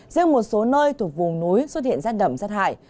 riêng một số nơi thuộc vùng núi xuất hiện rét đậm rét hại